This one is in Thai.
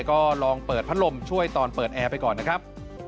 ก็ลองเปิดพัดลมช่วยตอนเปิดแอร์ไปก่อนนะครับ